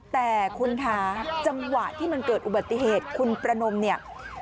แต่คุณคะจังหวะที่มันเกิดอุบัติเหตุคุณประนมเนี่ย